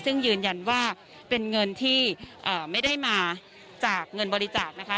ซึ่งยืนยันว่าเป็นเงินที่ไม่ได้มาจากเงินบริจาคนะคะ